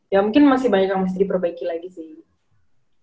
ya mungkin masih banyak yang masih di perbaiki lagi sih